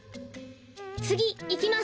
つぎいきます。